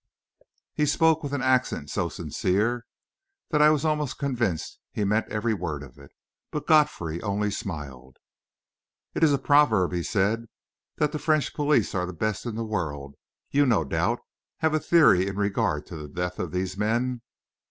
He spoke with an accent so sincere that I was almost convinced he meant every word of it; but Godfrey only smiled. "It is a proverb," he said, "that the French police are the best in the world. You, no doubt, have a theory in regard to the death of these men?"